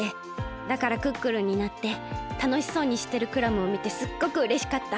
だからクックルンになってたのしそうにしてるクラムをみてすっごくうれしかった。